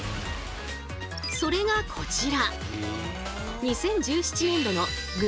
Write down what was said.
それがこちら。